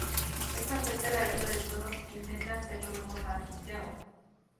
Esto afecta la vida de todos e intentan hacer lo mejor para Santiago.